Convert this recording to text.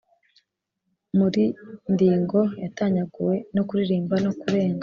muri dingle yatanyaguwe no kuririmba no kurenga